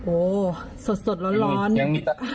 โอ้สดร้อน